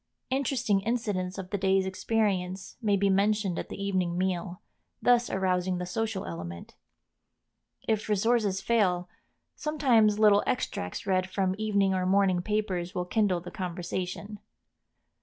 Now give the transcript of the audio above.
Interesting incidents of the day's experience may be mentioned at the evening meal, thus arousing the social element. If resources fail sometimes little extracts read from evening or morning papers will kindle the conversation.